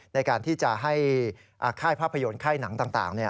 ในการที่จะให้ค่ายภาพยนตร์ค่ายหนังต่าง